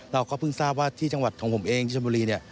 เราก็รู้ว่าที่จังหวัดของผมเองที่ชมบุรีนี้